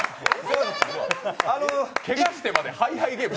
けがしてまで「ハイハイゲーム！！」